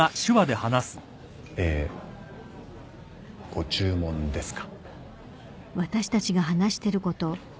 えご注文ですか？